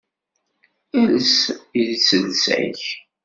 Els iselsa-k!